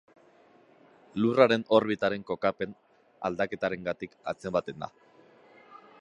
Lurraren orbitaren kokapen aldaketarengatik antzematen da.